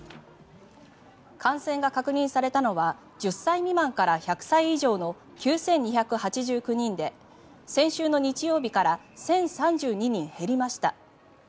感染が確認されたのは１０歳未満から１００歳以上の９２８９人で先週の日曜日から１０３２人減りました。